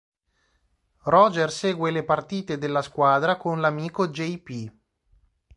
Roger segue le partite della squadra con l'amico Jp.